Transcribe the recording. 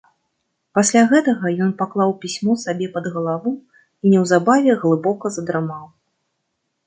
Пасля гэтага ён паклаў пісьмо сабе пад галаву і неўзабаве глыбока задрамаў.